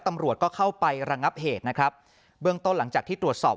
ตำรวจก็เข้าไประงับเหตุนะครับเบื้องต้นหลังจากที่ตรวจสอบ